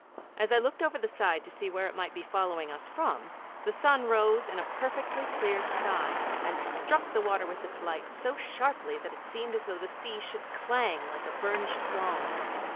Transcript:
As I looked over the side to see where it might be following us from, the sun rose in a perfectly clear sky and struck the water with its light so sharply that it seemed as though the sea should clang like a burnished gong.